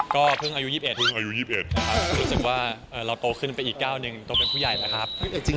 ก็เพิ่งอายุ๒๑รู้สึกว่าเราโตขึ้นอีกกล้าวหนึ่งโตเป็นผู้ใหญ่ละครับ